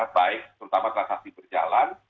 baik terutama transaksi berjalan